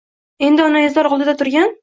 Endi onaizor oldida turgan